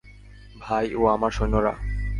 ভাই ও আমার সৈন্যরা!